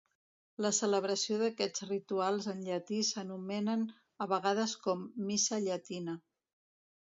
La celebració d'aquests rituals en llatí s'anomenen a vegades com "Missa llatina".